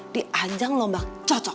diajang lombak cocok